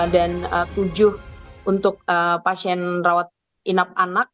dan tujuh untuk pasien rawat inap anak